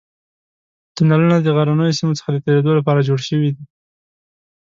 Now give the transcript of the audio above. تونلونه د غرنیو سیمو څخه د تېرېدو لپاره جوړ شوي دي.